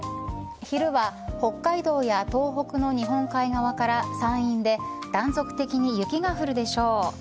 昼は北海道や東北の日本海側から山陰で断続的に雪が降るでしょう。